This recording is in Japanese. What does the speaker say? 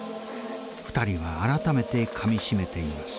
２人は改めてかみしめています。